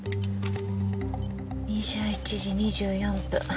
２１時２４分。